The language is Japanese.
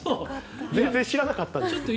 全然知らなかったんですが。